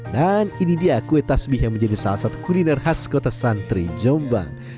dan ini dia kue tasbih yang menjadi salah satu kuliner khas kota santri jombang